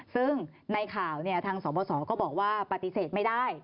ซึ่งในข่าวทางสบสก็บอกว่าปฏิเสธไม่ได้